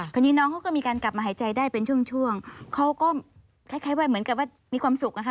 คราวนี้น้องเขาก็มีการกลับมาหายใจได้เป็นช่วงช่วงเขาก็คล้ายว่าเหมือนกับว่ามีความสุขอะค่ะ